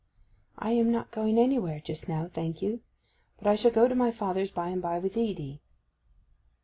'I am not going anywhere just now, thank you. But I shall go to my father's by and by with Edy.